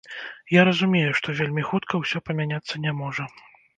Я разумею, што вельмі хутка ўсё памяняцца не можа.